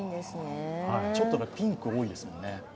ちょっとピンクが多いですもんね。